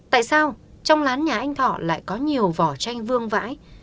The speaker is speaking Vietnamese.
tại sao trong lán nhà anh thọ lại có nhiều vỏ chanh vương vãi